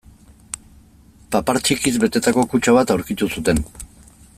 Papar txikiz betetako kutxa bat aurkitu zuten.